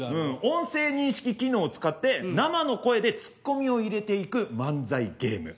音声認識機能を使って生の声でツッコミを入れていく漫才ゲーム。